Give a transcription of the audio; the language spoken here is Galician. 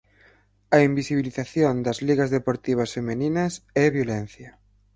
A invisibilización das ligas deportivas femininas é violencia.